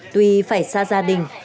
tuy phải xa gia đình